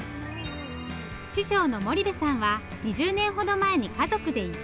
師匠の森部さんは２０年ほど前に家族で移住。